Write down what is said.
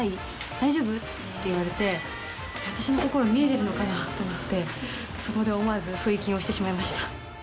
大丈夫？って言われて私の心見えてるのかなと思ってそこで思わず不意キュンをしてしまいました